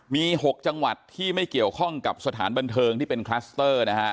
มี๖จังหวัดที่ไม่เกี่ยวข้องกับสถานบันเทิงที่เป็นคลัสเตอร์นะฮะ